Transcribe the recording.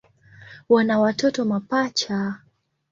Wana watoto mapacha.